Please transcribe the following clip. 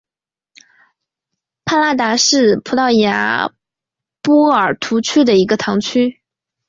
帕拉达是葡萄牙波尔图区的一个堂区。